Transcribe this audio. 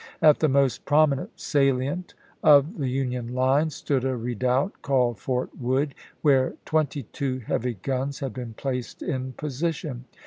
At the most prominent salient of the Union lines stood a redoubt called Fort Wood, where twenty two heavy guns had been placed in position.